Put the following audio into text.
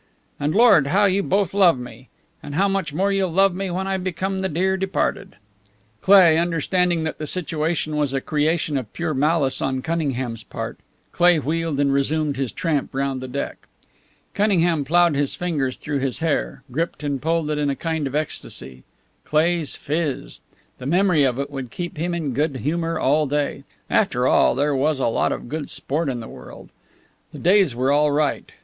And Lord, how you both love me! And how much more you'll love me when I become the dear departed!" Cleigh, understanding that the situation was a creation of pure malice on Cunningham's part Cleigh wheeled and resumed his tramp round the deck. Cunningham plowed his fingers through his hair, gripped and pulled it in a kind of ecstasy. Cleigh's phiz. The memory of it would keep him in good humour all day. After all, there was a lot of good sport in the world. The days were all right.